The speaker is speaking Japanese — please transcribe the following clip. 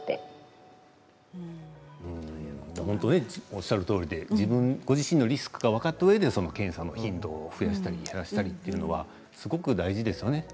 おっしゃるとおりでご自身のリスクが分かったうえで検査の頻度を増やしたり減らしたりというのはすごく大事ですよね。